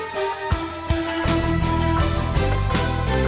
ก็ไม่น่าจะดังกึ่งนะ